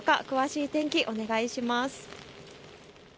詳しい天気、お願いします。